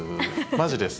マジです！